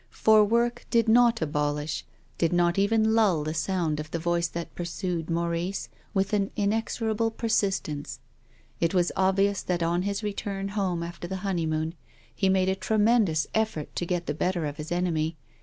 For work did not abolish, did not even lull the sound of the voice that pursued Maurice with an inexora ble persistence. It was obvious that on his return home after the honeymoon, he made a tremen dous effort to get the better of his enemy.